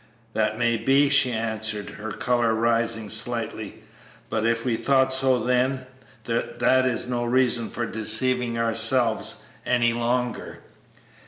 "That may be," she answered, her color rising slightly; "but if we thought so then, that is no reason for deceiving ourselves any longer."